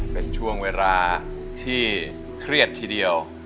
เป็นช่วงเวลาที่เครียดทีเดียว